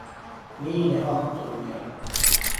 Niine hattuineen.